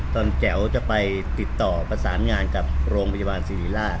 แจ๋วจะไปติดต่อประสานงานกับโรงพยาบาลสิริราช